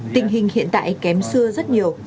tình hình hiện tại kém xưa rất nhiều